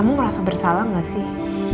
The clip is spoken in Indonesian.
kamu merasa bersalah nggak sih